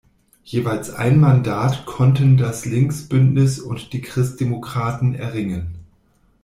Jeweils ein Mandat konnten das Linksbündnis und die Christdemokraten erringen.